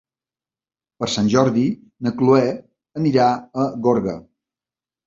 Per Sant Jordi na Chloé anirà a Gorga.